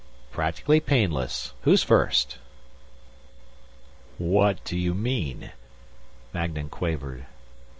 "Practically painless. Who's first?" "What do you mean?" Magnan quavered.